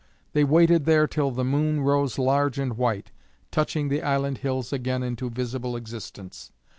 They waited there till the moon rose large and white, touching the island hills again into visible existence.